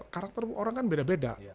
karakter orang kan beda beda